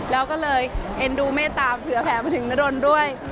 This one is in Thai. แล้วก็เลยเอ็นดูเมตตาเผื่อแผลไปถึงนรนด้วย